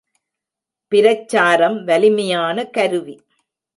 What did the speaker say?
பிரச்சாரம் வலிமையான கருவி.